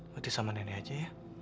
mati sama nenek aja ya